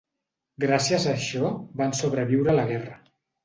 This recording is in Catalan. Gràcies a això van sobreviure a la guerra.